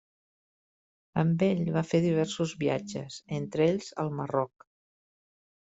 Amb ell va fer diversos viatges, entre ells al Marroc.